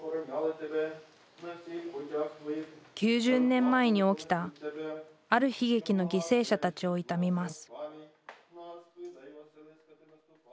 ９０年前に起きた「ある悲劇」の犠牲者たちを悼みます